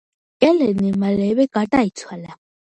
ელენე მალევე გარდაიცვალა.